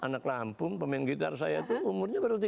anak lampung pemain gitar saya itu umurnya baru tiga belas tahun